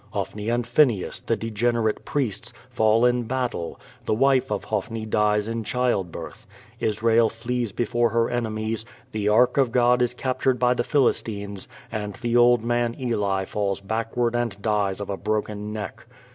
Hophni and Phineas, the degenerate priests, fall in battle, the wife of Hophni dies in childbirth, Israel flees before her enemies, the ark of God is captured by the Philistines and the old man Eli falls backward and dies of a broken neck.